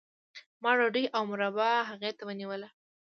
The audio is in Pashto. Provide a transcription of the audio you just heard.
ما ډوډۍ او مربا هغې ته ونیوله